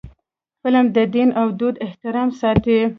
فلم د دین او دود احترام ساتي